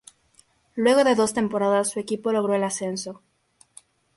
Luego de dos temporadas su equipo logró el ascenso.